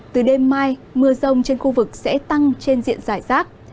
từ đêm mai mưa rông trên khu vực sẽ tăng trên diện giải rác